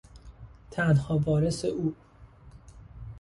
تنها وارث او